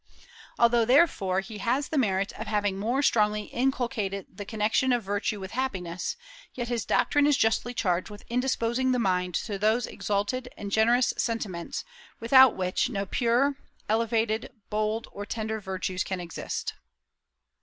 Although, therefore, he has the merit of having more strongly inculcated the connection of virtue with happiness, yet his doctrine is justly charged with indisposing the mind to those exalted and generous sentiments without which no pure, elevated, bold, or tender virtues can exist."